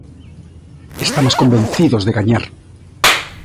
Estamos convencidos de gañar.